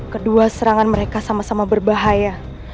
kedua serangan mereka sama sama berbahaya